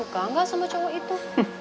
reva nya suka gak sama cowok itu